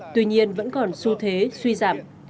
tuy nhiên vẫn còn su thế suy giảm